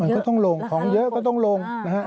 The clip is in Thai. มันก็ต้องลงของเยอะก็ต้องลงนะฮะ